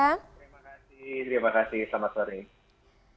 terima kasih terima kasih selamat sore